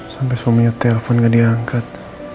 sampai suaminya telpon gak diangkat